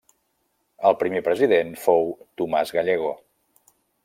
El primer president fou Tomàs Gallego.